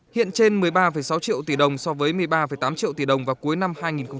hiện trên một mươi ba sáu triệu tỷ đồng so với một mươi ba tám triệu tỷ đồng vào cuối năm hai nghìn một mươi chín